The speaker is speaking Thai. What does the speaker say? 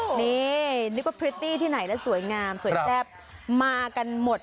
อ๋อเหรอว้าวนี่นี่ก็พริตตี้ที่ไหนแล้วสวยงามสวยแทบมากันหมด